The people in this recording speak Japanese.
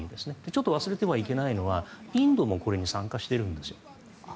ちょっと忘れてはいけないのはインドもこれに参加しているんですよ。